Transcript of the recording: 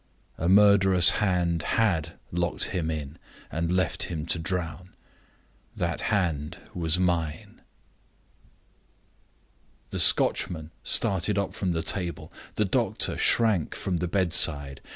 A murderous hand had locked him in, and left him to drown. That hand was mine." The Scotchman started up from the table; the doctor shrank from the bedside.